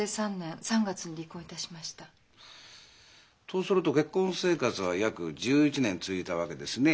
とすると結婚生活は約１１年続いたわけですね？